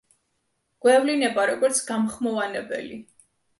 გვევლინება როგორც გამხმოვანებელი.